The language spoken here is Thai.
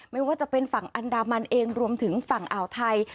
ไม่ว่าจะเป็นฝั่งอันดามันเองรวมถึงฝั่งอ่าวไทย